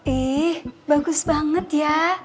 ih bagus banget ya